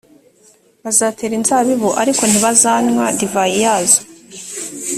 bazatera inzabibu ariko ntibazanywa divayi yazo